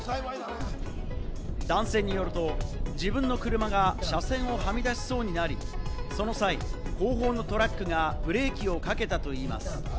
男性によると自分の車が車線をはみ出しそうになり、その際、後方のトラックがブレーキをかけたといいます。